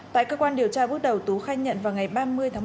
tại cơ quan điều tra bước đầu tú khai nhận vào ngày ba mươi tháng một mươi